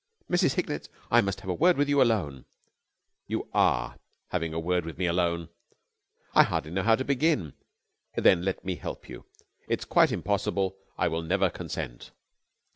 "Mrs. Hignett, I must have a word with you alone!" "You are having a word with me alone." "I hardly know how to begin." "Then let me help you. It is quite impossible. I will never consent."